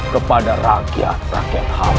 kepada rakyat rakyat hamba